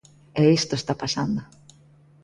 E isto está pasando.